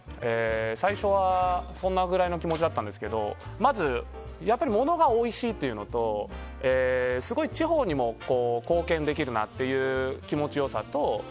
最初はそのぐらいの気持ちだったんですけどまずやっぱり物がおいしいというのと地方にも貢献できるなっていう気持ちよさと。